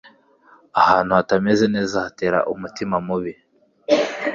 ahantu hatameze neza hatera umutima mubi